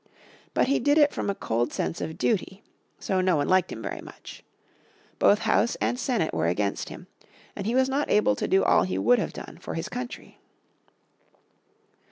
But he did it from a cold sense of duty. So no one liked him very much. Both House and Senate were against him, and he was not able to do all he would have done for his country.